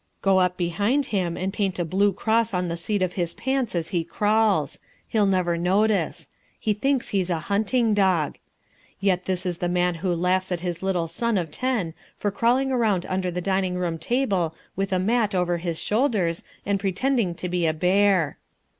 Go up behind him and paint a blue cross on the seat of his pants as he crawls. He'll never notice. He thinks he's a hunting dog. Yet this is the man who laughs at his little son of ten for crawling round under the dining room table with a mat over his shoulders, and pretending to be a bear.